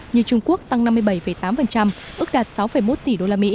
như trung quốc tăng năm mươi bảy tám ước đạt sáu một tỷ usd